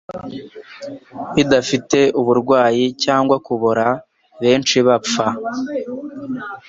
bidafite uburwayi cyangwa kubora. Benshi bapfa